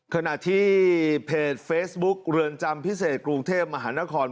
ขณะที่เพจเฟซบุ๊คเรือนจำพิเศษกรุงเทพมหานคร